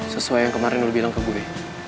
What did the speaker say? sesuai yang kemarin lo bilang ke gue